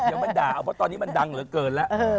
อย่ามาด่าเพราะตอนนี้มันดังเหลือเกินละ